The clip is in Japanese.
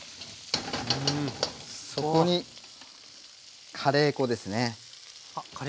そこにカレー粉ですね。